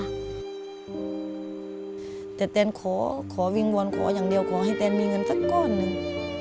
แต่แตนขอวิงวอนขออย่างเดียวขอให้แตนมีเงินสักก้อนหนึ่ง